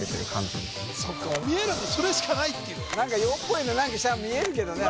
見えればそれしかないっていう何か「陽」っぽいの見えるけどね